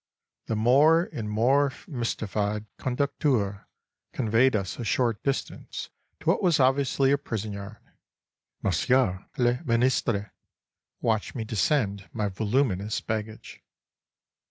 The more and more mystified conducteur conveyed us a short distance to what was obviously a prison yard. Monsieur le Ministre watched me descend my voluminous baggage.